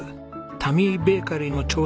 タミーベーカリーの挑戦